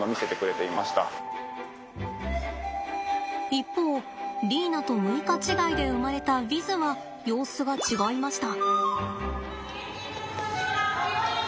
一方リーナと６日違いで生まれたヴィズは様子が違いました。